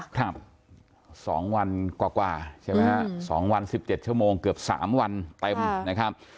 ครับ๒วันกว่าใช่ไหมฮะสองวันสิบเจ็ดชั่วโมงเกือบสามวันเต็มนะครับ